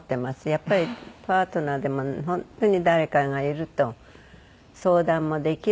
やっぱりパートナーでも本当に誰かがいると相談もできるし色々と。